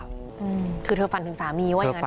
คือเธอฝันถึงสามีไว้อย่างนั้นเถอะ